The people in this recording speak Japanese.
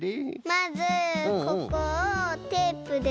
まずここをテープでとめて。